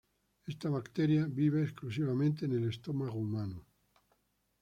Esta bacteria vive exclusivamente en el estómago humano.